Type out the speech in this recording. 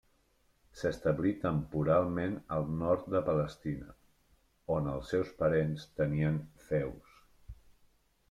S'establí temporalment al nord de Palestina, on els seus parents tenien feus.